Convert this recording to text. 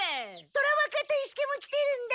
虎若と伊助も来てるんだ。